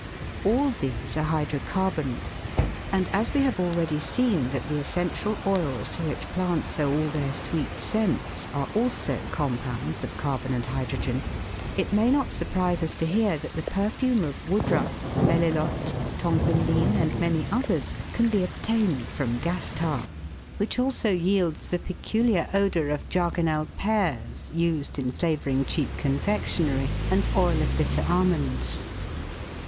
All these are hydrocarbons, and as we have already seen that the essential oils to which plants owe all their sweet scents, are also compounds of carbon and hydrogen, it may not surprise us to hear that the perfume of woodruff, melilot, Tonquin bean, and many others, can be obtained from gas tar, which also yields the peculiar odour of jargonelle pears used in flavouring cheap confectionery and oil of bitter almonds.